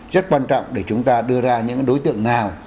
rất quan trọng để chúng ta đưa ra những đối tượng nào